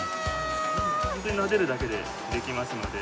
ホントになでるだけでできますので。